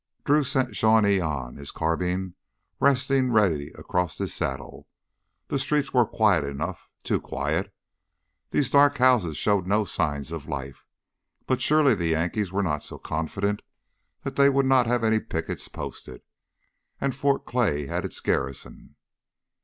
Drew sent Shawnee on, his carbine resting ready across his saddle. The streets were quiet enough, too quiet. These dark houses showed no signs of life, but surely the Yankees were not so confident that they would not have any pickets posted. And Fort Clay had its garrison....